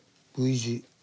Ｖ字。